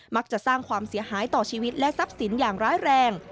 สร้างความเสียหายต่อชีวิตและทรัพย์สินอย่างร้ายแรง